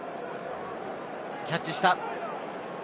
キャッチした！